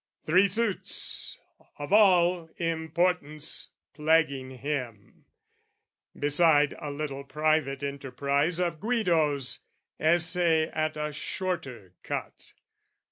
Three suits of all importance plaguing him, Beside a little private enterprise Of Guido's, essay at a shorter cut.